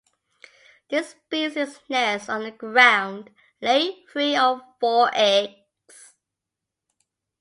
This species nests on the ground, laying three or four eggs.